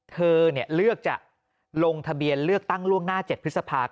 เธอเลือกจะลงทะเบียนเลือกตั้งล่วงหน้า๗พฤษภาคม